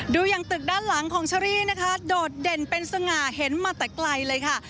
ดูอย่างตึกด้านหลังของเชอรี่นะคะโดดเด่นเป็นสง่าเห็นมาแต่ไกลเลยค่ะ